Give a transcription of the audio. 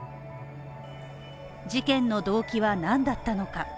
事件の動機は何だったのか。